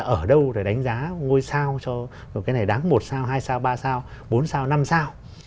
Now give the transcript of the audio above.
ở đâu để đánh giá ngôi sao cho một cái này đáng một sao hai sao ba sao bốn sao năm sao